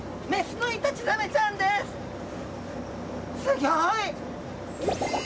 すギョい！